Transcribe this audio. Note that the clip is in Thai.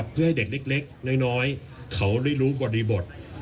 เพื่อให้เด็กเล็กน้อยเขาได้รู้บริบท